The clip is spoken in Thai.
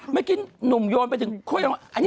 เมื่อกี้นุ่มโยนไปถึงคุ้ยรางวัล